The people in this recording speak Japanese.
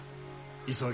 急ぎ